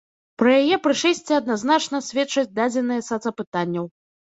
Пра яе прышэсце адназначна сведчаць дадзеныя сацапытанняў.